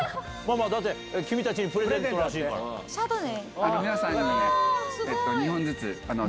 だって君たちにプレゼントらシャルドネ。